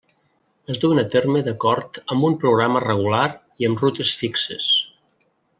Es duen a terme d'acord amb un programa regular i amb rutes fixes.